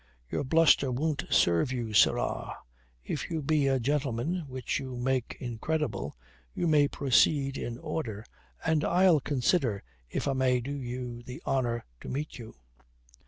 "Your bluster won't serve you, sirrah. If you be a gentleman, which you make incredible, you may proceed in order and I'll consider if I may do you the honour to meet you."